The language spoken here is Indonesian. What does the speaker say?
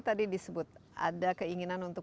tadi disebut ada keinginan untuk